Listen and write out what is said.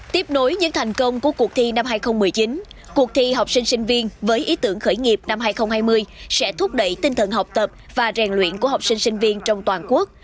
tiếp nối những thành công của cuộc thi năm hai nghìn một mươi chín cuộc thi học sinh sinh viên với ý tưởng khởi nghiệp năm hai nghìn hai mươi sẽ thúc đẩy tinh thần học tập và rèn luyện của học sinh sinh viên trong toàn quốc